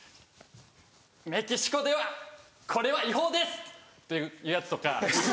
メキシコではこれは違法です！っていうやつとか。